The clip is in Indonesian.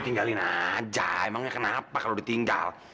tinggalin aja emangnya kenapa kalau ditinggal